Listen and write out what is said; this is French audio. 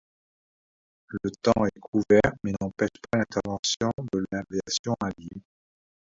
Le temps est couvert mais n’empêche pas l’intervention de l’aviation alliée.